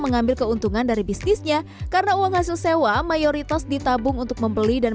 mengambil keuntungan dari bisnisnya karena uang hasil sewa mayoritas ditabung untuk membeli dan